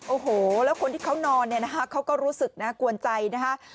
โอ้โหแล้วคนที่เค้านอนเค้าก็รู้สึกกวนใจนะคะ